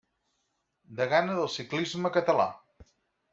Degana del ciclisme català.